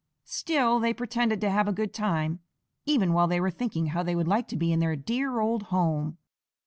Still they pretended to have a good time, even while they were thinking how they would like to be in their dear old home.